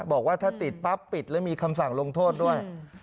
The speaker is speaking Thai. บอกว่าถ้าติดปั๊บปิดแล้วมีคำสั่งลงโทษด้วย